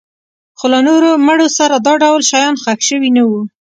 خو له نورو مړو سره دا ډول شیان ښخ شوي نه وو